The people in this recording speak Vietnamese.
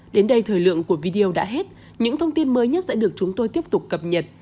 đến đây thời lượng của video đã hết những thông tin mới nhất sẽ được chúng tôi tiếp tục cập nhật